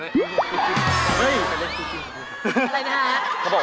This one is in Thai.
เฮ้ยใครเล่นคู่จิ้นของคุณ